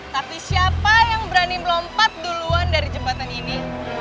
tapi siapa yang berani melompat duluan dari jembatan ini